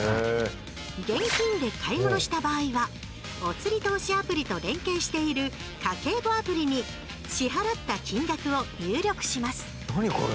現金で買い物した場合はおつり投資アプリと連携している「家計簿アプリ」に支払った金額を入力しますなにこれ⁉